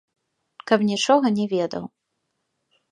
Каб нічога не ведаў.